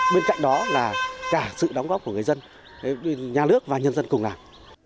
bên cạnh đó là cả sự đóng góp của người dân nhà nước và nhân dân cùng làm